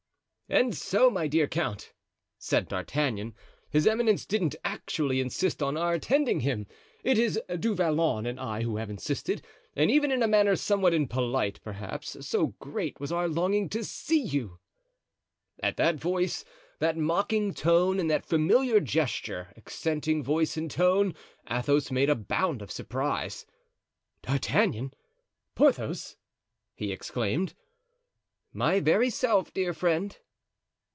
"And so, my dear count," said D'Artagnan, "his eminence didn't actually insist on our attending him; it is Du Vallon and I who have insisted, and even in a manner somewhat impolite, perhaps, so great was our longing to see you." At that voice, that mocking tone, and that familiar gesture, accenting voice and tone, Athos made a bound of surprise. "D'Artagnan! Porthos!" he exclaimed. "My very self, dear friend."